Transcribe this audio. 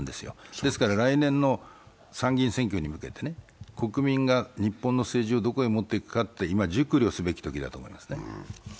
ですから来年の参議院選挙に向けて国民がの日本の政治をどこへ持っていく、今熟慮すべき時だと思います。